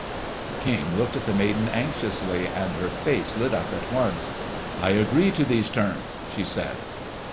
The King looked at the maiden anxiously, and her face lit up at once. "I agree to these terms," she said.